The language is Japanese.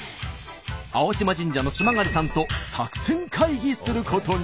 青島神社の津曲さんと作戦会議することに。